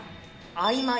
あいまい？